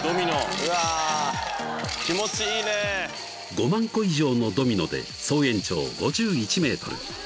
［５万個以上のドミノで総延長５１ｍ］